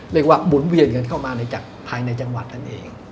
เรียกว่าหมุนเวียนกันเข้ามาจากภายในจังหวัดนั้นเอง